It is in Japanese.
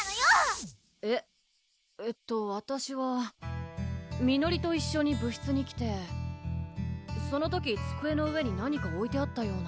えっえっとわたしはみのりと一緒に部室に来てその時机の上に何かおいてあったような